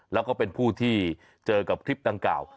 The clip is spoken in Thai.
แล้วก็เป็นผู้ที่เจอกับคลิปดังกล่าว